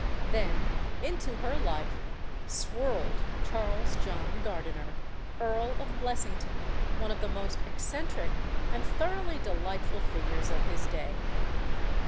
Then into her life swirled Charles John Gardiner, Earl of Blessington, one of the most eccentric and thor oughly delightful figures of his day.